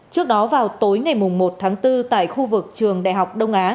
trước đó vào tối ngày một tháng bốn tại khu vực trường đại học đông á